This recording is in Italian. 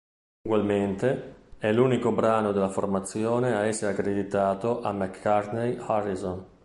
Ugualmente, è l'unico brano della formazione a essere accreditato a "McCartney-Harrison".